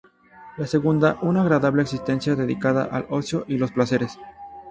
La segunda una agradable existencia dedicada al ocio y los placeres.